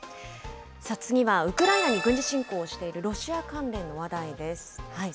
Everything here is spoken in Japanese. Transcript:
次はウクライナに軍事侵攻しているロシア関連の話題です。